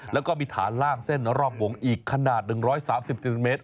แล้วก็มีฐานล่างเส้นรอบวงอีกขนาด๑๓๐เซนติเมตร